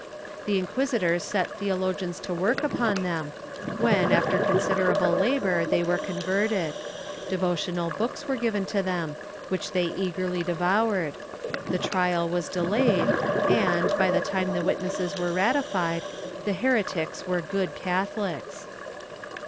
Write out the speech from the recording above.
The inquisitor set theologians to work upon them when, after considerable labor, they were converted; devotional books were given to them, which they eagerly devoured; the trial was delayed and, by the time the witnesses were ratified, the heretics were good Catholics.'